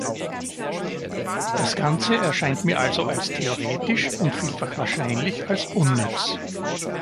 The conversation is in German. Das Ganze erscheint mir also als theoretisch und vielfach wahrscheinlich als unnütz.